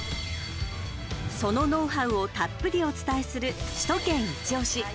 そのノウハウをたっぷりお伝えする首都圏いちオシ！